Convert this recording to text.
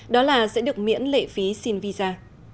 đó là sẽ được miễn lệ phí xin visa